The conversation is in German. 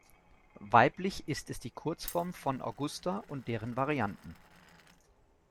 Weiblich ist es die Kurzform von Augusta und deren Varianten.